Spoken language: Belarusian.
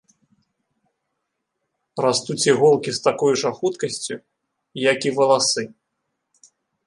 Растуць іголкі з такой жа хуткасцю, як і валасы.